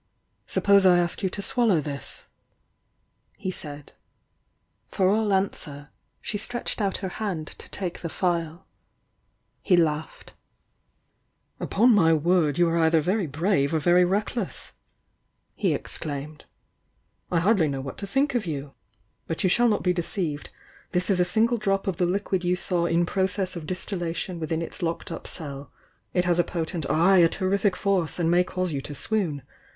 "Suppose I ask you to swallow this?" he said. For all answer, she stretched out her hand to take the phial. He laughed. "Upon my word, you are either very brave or very reckless!" he exclaimed — "I hardly know what to think of you! But you shall not be deop'ved. This is a single drop of the liquid you saw i . process of distillation within its locked up cell. f has a po tent, ay, a terrific force and may caust ou to swoon.